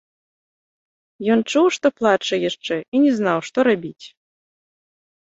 Ён чуў, што плача яшчэ, і не знаў, што рабіць.